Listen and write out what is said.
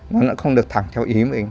nó cũng không được thẳng theo ý mình